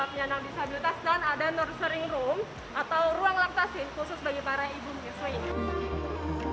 para penyandang disabilitas dan ada nersering room atau ruang laktasi khusus bagi para ibu